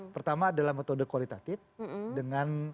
pertama adalah metode kualitatif dengan